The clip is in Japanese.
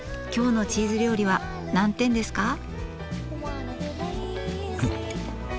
今日のチーズ料理は何点ですか？